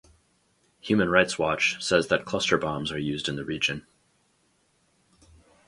Human Rights Watch says that cluster bombs are used in the region.